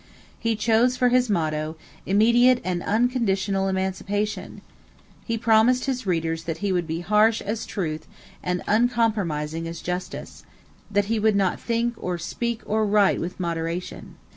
He chose for his motto: "Immediate and unconditional emancipation!" He promised his readers that he would be "harsh as truth and uncompromising as justice"; that he would not "think or speak or write with moderation."